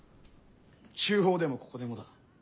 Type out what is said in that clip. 中央でもここでもだ。